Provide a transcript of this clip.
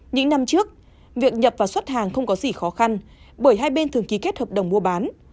những năm trước việc nhập và xuất hàng không có gì khó khăn bởi hai bên thường ký kết hợp đồng mua bán